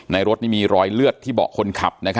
รถนี่มีรอยเลือดที่เบาะคนขับ